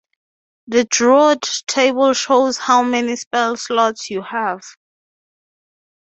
The Druid table shows how many spell slots you have.